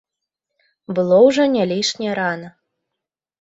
Было ўжо не лішне рана.